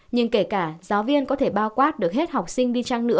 nhưng kể cả giáo viên có thể bao quát được hết học sinh đi chăng nữa